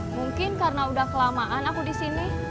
mungkin karena udah kelamaan aku di sini